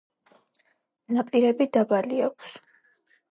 ნაპირები დაბალი აქვს.